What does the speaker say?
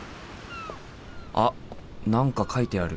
あっ何か書いてある。